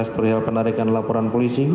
terlihat penarikan laporan polisi